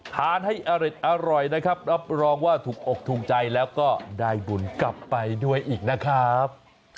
ทานให้อร่อยนะครับรับรองว่าถูกอกถูกใจแล้วก็ได้บุญกลับไปด้วยอีกนะครับ